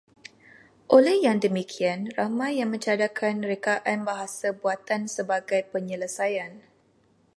Oleh yang demikian, ramai yang mencadangkan rekaan bahasa buatan sebagai penyelesaian